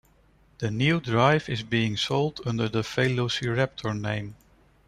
The new drive is being sold under the VelociRaptor name.